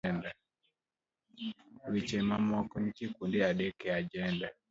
Weche mamoko nitie kuonde adek e ajenda